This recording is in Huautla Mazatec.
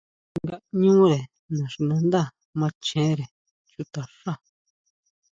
Ngaʼñure naxinándá machenre chuta xá.